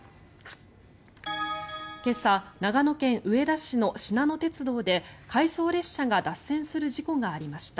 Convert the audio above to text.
今朝長野県上田市のしなの鉄道で回送列車が脱線する事故がありました。